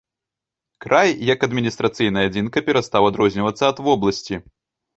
Край як адміністрацыйная адзінка перастаў адрознівацца ад вобласці.